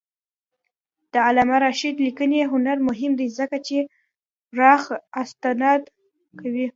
د علامه رشاد لیکنی هنر مهم دی ځکه چې پراخ استناد کوي.